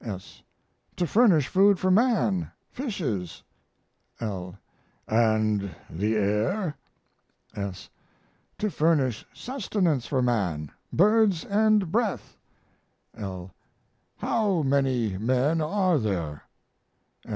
S. To furnish food for man. Fishes. L. And the air? S. To furnish sustenance for man. Birds and breath. L. How many men are there?